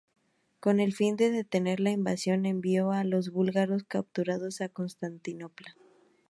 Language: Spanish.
Con el fin de detener la invasión, envió a los búlgaros capturados a Constantinopla.